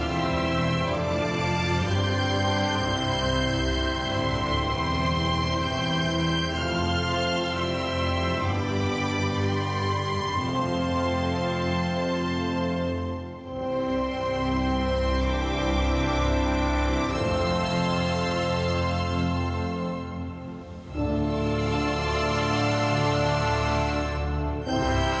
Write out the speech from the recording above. โปรดติดตามตอนต่อไป